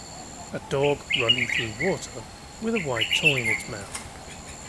A dog running through water with a white toy in its mouth